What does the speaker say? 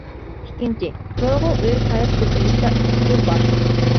ئىككىنچى، تۇرالغۇ ئۆي قەرز پۇلى ئىلىشتا ئىككى يول بار.